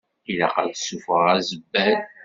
Ilaq ad ssufɣeɣ azebbal.